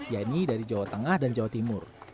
yaitu dari jawa tengah dan jawa timur